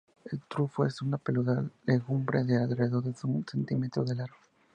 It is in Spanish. El fruto es una peluda legumbre de alrededor de un centímetro de largo.